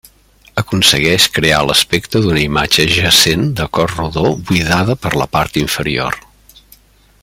Aconsegueix crear l'aspecte d'una imatge jacent de cos rodó buidada per la part inferior.